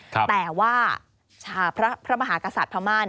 แต่ว่าพระมหากษัตริย์พม่า